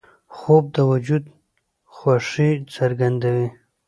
خوب د وجود خوښي څرګندوي